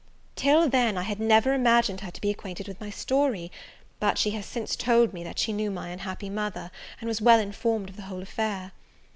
Till then I had never imagined her to be acquainted with my story; but she has since told me, that she knew my unhappy mother, and was well informed of the whole affair.